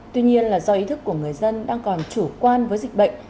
tuy nhiên là do ý thức của người dân đang còn chủ quan với dịch bệnh